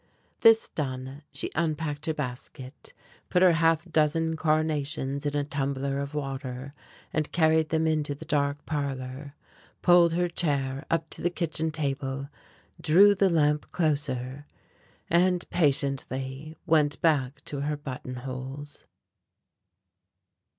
This done she unpacked her basket, put her half dozen carnations in a tumbler of water and carried them into the dark parlor, pulled her chair up to the kitchen table, drew the lamp closer and patiently went back to her buttonholes.